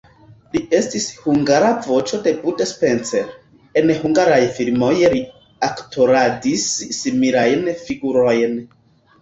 Li estis hungara voĉo de Bud Spencer, en hungaraj filmoj li aktoradis similajn figurojn.